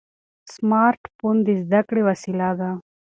سمارټ فون د زده کړې وسیله ده.